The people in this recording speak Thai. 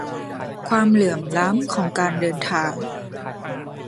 ความเหลื่อมล้ำ ของการเดินทาง